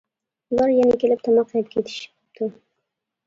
ئۇلار يەنە كېلىپ تاماق يەپ كېتىشىپتۇ.